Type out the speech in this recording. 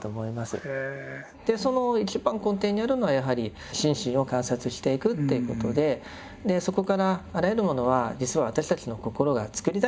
その一番根底にあるのはやはり心身を観察していくっていうことでそこからあらゆるものは実は私たちの心が作り出しているものなんだと。